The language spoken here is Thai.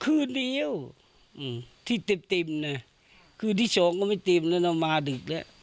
คืนเดี๋ยวหือที่ติ่มติ่มน่ะคือที่สองก็ไม่ติ่มแล้วน่ะมาดึกแล้ว